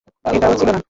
এটা ও ছিল না।